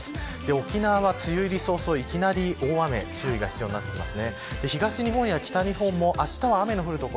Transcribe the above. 沖縄は梅雨入り早々いきなり大雨に注意が必要になってきます。